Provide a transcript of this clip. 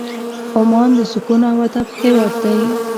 عمان د سکون او ادب هېواد دی.